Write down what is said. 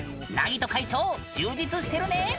なぎと会長充実してるね！